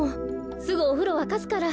すぐおふろわかすから。